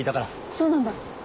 そうなんだ。